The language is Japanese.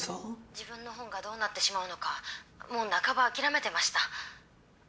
自分の本がどうなってしまうのかもう半ば諦めてました。